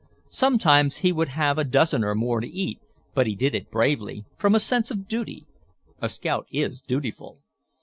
Sometimes he would have a dozen or more to eat, but he did it bravely—from a sense of duty. A scout is dutiful.